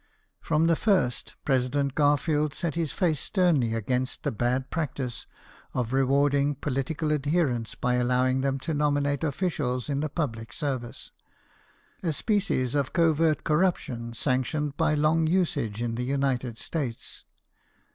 M 1 62 BIOGRAPHIES OF WORKING MEN. From the first, President Garfield set his face sternly against the bad practice of rewarding political adherents by allowing them to nominate officials in the public service a species of covert corruption sanctioned by long usage in the United States.